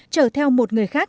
trở theo một người khách